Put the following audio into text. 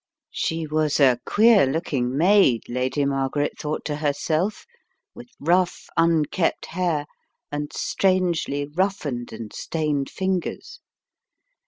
She was a queer looking maid, Lady Margaret thought to herself, with rough, unkept hair, and strangely roughened and stained fingers.